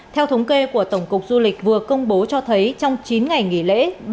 theo thống kê của tổng cục du lịch vừa công bố cho thấy trong chín ngày nghỉ lễ